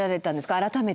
改めて。